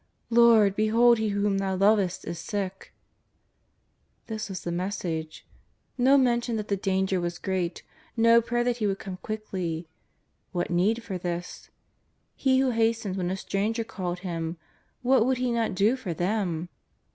^' Lord, behold he whom Thou lovest is sick !" This was the message. Ko mention that the danger was great, no prayer that He would come quickly. What need for this ? He who hastened when a stranger called Him, what would He not do for them!